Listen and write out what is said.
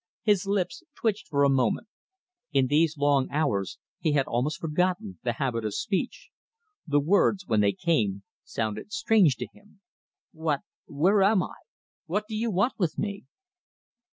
His lips twitched for a moment. In these long hours he had almost forgotten the habit of speech. The words, when they came, sounded strange to him. "What where am I? What do you want with me?"